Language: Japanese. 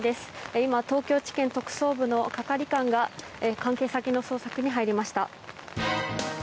今、東京地検特捜部の係官が関係先の捜索に入りました。